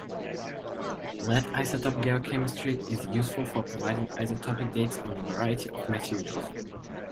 Lead isotope geochemistry is useful for providing isotopic dates on a variety of materials.